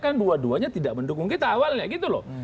kan dua duanya tidak mendukung kita awalnya gitu loh